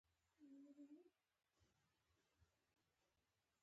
دریشي باید همېشه پاک وساتل شي.